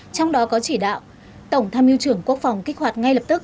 trong đó có chỉ đạo tổng tham yêu trưởng quốc phòng kích hoạt ngay lập tức